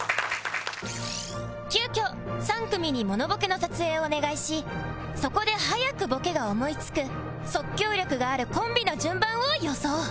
急遽３組にモノボケの撮影をお願いしそこで早くボケが思い付く即興力があるコンビの順番を予想